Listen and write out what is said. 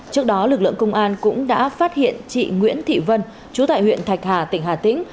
trước đó lực lượng công an cũng đã phát hiện chị nguyễn thị vân chú tại huyện thạch hà tỉnh hà tĩnh